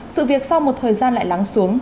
sự việc sau một thời gian lại lắng xuống